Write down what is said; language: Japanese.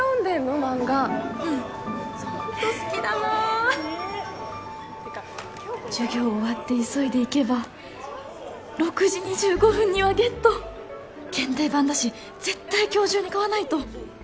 漫画うんホント好きだなねっ授業終わって急いで行けば６時２５分にはゲット限定版だし絶対今日中に買わないと！